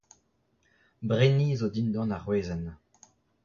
Brini zo dindan ar wezenn.